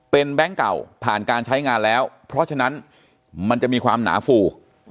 เป็นแบงค์เก่าผ่านการใช้งานแล้วเพราะฉะนั้นมันจะมีความหนาฟู